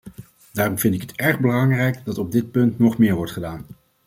Daarom vind ik het erg belangrijk dat op dit punt nog meer wordt gedaan.